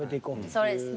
そうですね。